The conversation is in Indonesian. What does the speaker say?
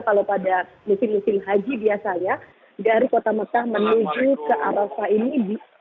kalau pada mesin mesin haji biasanya dari kota mekas menuju ke arapah ini